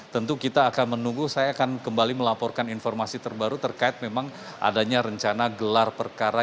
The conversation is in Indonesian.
tentu kita akan menunggu saya akan kembali melaporkan informasi terbaru terkait memang adanya rencana gelar perkara